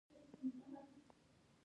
د ابجوش کشمش څنګه جوړیږي؟